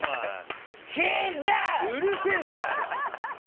うるせえんだよ！